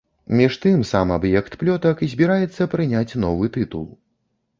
Між тым, сам аб'ект плётак збіраецца прыняць новы тытул.